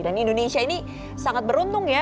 dan indonesia ini sangat beruntung ya